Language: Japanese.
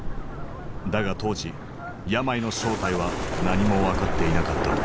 だが当時病の正体は何も分かっていなかった。